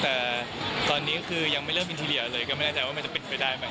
แต่ตอนนี้คือยังไม่เริ่มอินทีเรียเลยก็ไม่แน่ใจว่ามันจะเป็นไปได้ไหม